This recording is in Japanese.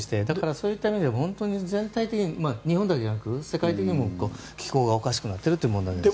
そういった意味で全体的に日本だけじゃなくて世界的にも気候がおかしくなっているという問題がありますね。